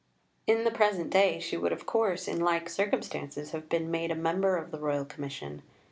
In the present day she would of course, in like circumstances, have been made a member of the Royal Commission.